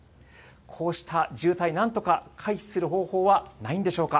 こうした渋滞、なんとか回避する方法はないんでしょうか。